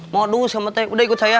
modus sama teh udah ikut saya